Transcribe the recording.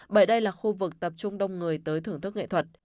bởi đây là khu vực tập trung đông người tới thưởng thức nghệ thuật